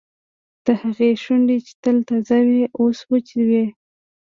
د هغې شونډې چې تل تازه وې اوس وچې وې